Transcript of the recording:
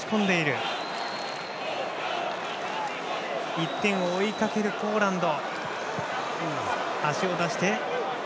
１点を追いかけるポーランド。